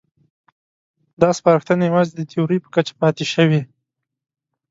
دا سپارښتنې یوازې د تیورۍ په کچه پاتې شوې.